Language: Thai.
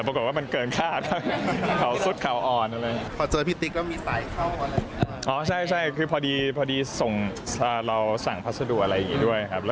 ผมก็เพิ่งเคยเอาหน้าการอย่างนี้ของเขาครั้งแรกเนี่ยแหละ